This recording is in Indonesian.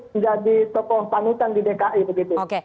menjadi tokoh panutan di dki begitu